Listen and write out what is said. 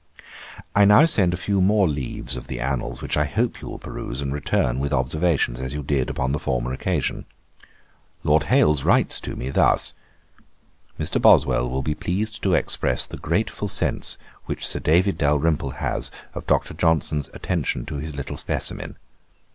I now send a few more leaves of the Annals, which I hope you will peruse, and return with observations, as you did upon the former occasion. Lord Hailes writes to me thus: "Mr. Boswell will be pleased to express the grateful sense which Sir David Dalrymple has of Dr. Johnson's attention to his little specimen.